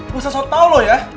masa sok tau lo ya